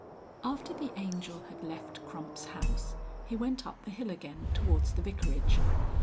XXX. After the Angel had left Crump's house he went up the hill again towards the Vicarage.